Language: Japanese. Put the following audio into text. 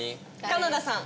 金田さん！